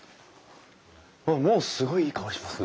うわっもうすごいいい香りしますね。